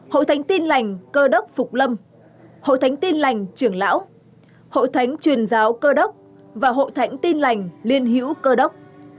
hội thánh tin lành cơ đốc phục lâm hội thánh tin lành trưởng lão hội thánh truyền giáo cơ đốc và hội thánh tin lành liên hữu cơ đốc